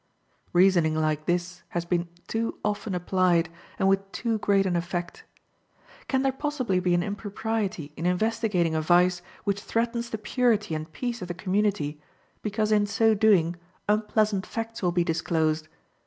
Reasoning like this has been too often applied, and with too great an effect. Can there possibly be an impropriety in investigating a vice which threatens the purity and peace of the community, because in so doing unpleasant facts will be disclosed?